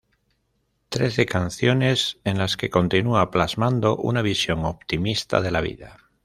Trece canciones en las que continúa plasmando una visión optimista de la vida.